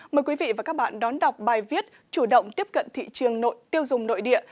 mời quý vị và các bạn đón đọc bài viết chủ động tiếp cận thị trường tiêu dùng nội địa